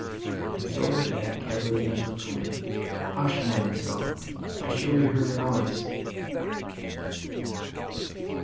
So, with that, Caterina took the lamp—Hush! ma'amselle, I surely heard a noise!"